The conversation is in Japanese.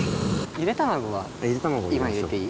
ゆで卵は今入れていい？